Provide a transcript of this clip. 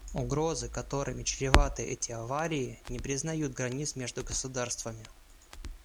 Угрозы, которыми чреваты эти аварии, не признают границ между государствами.